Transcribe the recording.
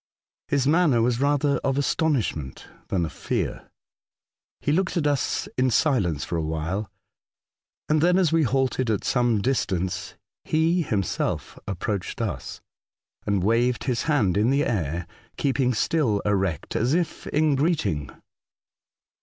His manner was rather of astonishment than of fear. He looked at us in silence for a while, and then as we halted at some distance he himself approached us, and waved his hand in the air, keeping still erect, as if in greeting.